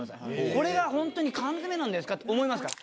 これが本当に缶詰なんですか？って思いますから。